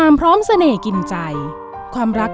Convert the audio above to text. อ้าวอ้าว